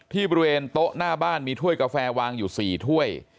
บริเวณโต๊ะหน้าบ้านมีถ้วยกาแฟวางอยู่๔ถ้วย